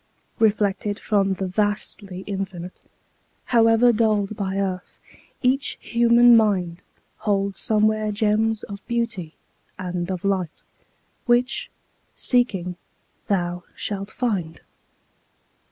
Reflected from the vastly Infinite, However dulled by earth, each human mind Holds somewhere gems of beauty and of light Which, seeking, thou shalt find.